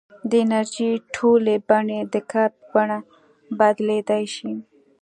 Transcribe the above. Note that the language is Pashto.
د انرژۍ ټولې بڼې د کار په بڼه بدلېدای شي.